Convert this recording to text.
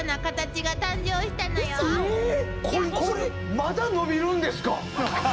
まだ伸びるんですか？